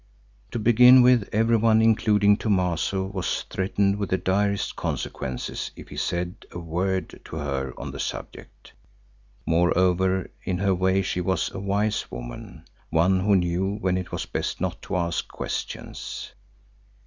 To begin with, everyone, including Thomaso, was threatened with the direst consequences if he said a word to her on the subject; moreover in her way she was a wise woman, one who knew when it was best not to ask questions.